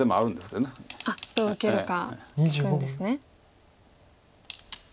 どう受けるか聞くんですね。